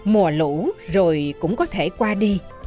mùa lũ rồi cũng có thể qua đi